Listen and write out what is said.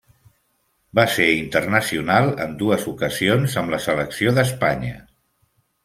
Va ser internacional en dues ocasions amb la selecció d'Espanya.